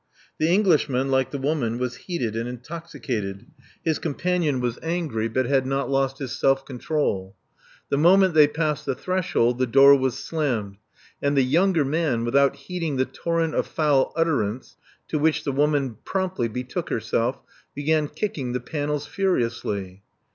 The Englishman, like the woman, was heated and intoxicated: his companion was angry, but had not lost his self control. The moment they passed the threshold, the door was slammed; and the younger man, without heeding the torrent of foul utterance to which the woman promptly betook herself, began kicking the panels furiously.